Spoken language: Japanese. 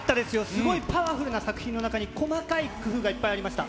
すごいパワフルな作品の中に、細かい工夫がいっぱいありました。